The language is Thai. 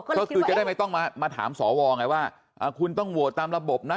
ก็คือจะได้ไม่ต้องมาถามสวไงว่าคุณต้องโหวตตามระบบนะ